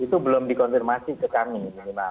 itu belum dikonfirmasi ke kami